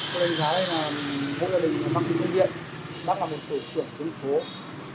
cô đơn giáo là mỗi gia đình mặc cái chìa khóa